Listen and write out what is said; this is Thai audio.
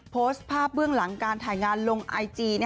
โพสต์ภาพเบื้องหลังการถ่ายงานลงไอจี